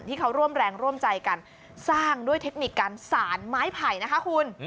ที่เขาร่วมแรงร่วมใจกันสร้างด้วยเทคนิคการสารไม้ไผ่นะคะคุณ